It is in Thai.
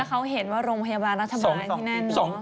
เขาเห็นว่าโรงพยาบาลรัฐบาลที่นั่น